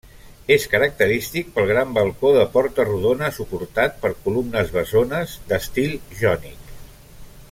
És característic pel gran balcó de porta rodona suportat per columnes bessones d'estil jònic.